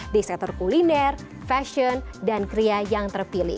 di sektor kuliner fashion dan kria yang terpilih